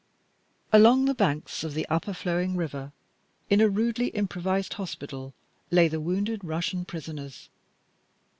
Along the banks of the Upper Flowing River, in a rudely improvised hospital, lay the wounded Russian prisoners.